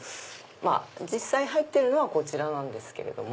実際入ってるのはこちらなんですけれども。